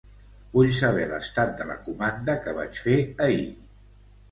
Vull saber l'estat de la comanda que vaig fer ahir.